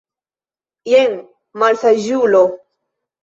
Jen, malsaĝulo!